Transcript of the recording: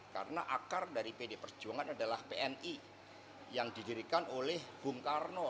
karena akar dari pdi perjuangan adalah pni yang didirikan oleh bung karno